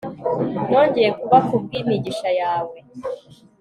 nongeye kuba, kubwimigisha yawe